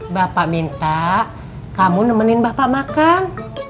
bapak minta kamu nemenin bapak makan